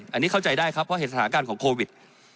อันนี้เข้าใจได้ครับเพราะเห็นสถานการณ์ของโควิด